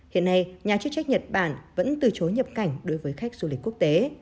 hiện nay nhà chức trách nhật bản vẫn từ chối nhập cảnh đối với khách du lịch quốc tế